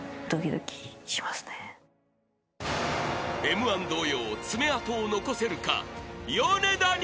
［Ｍ−１同様爪痕を残せるか？］